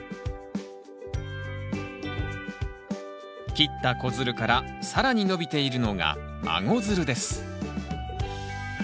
切った子づるから更に伸びているのが孫づるです。